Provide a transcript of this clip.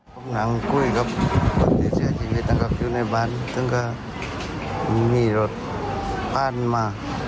ผมนางกุ้ยครับตั้งกับอยู่ในบ้านซึ่งก็มีรถป้านมา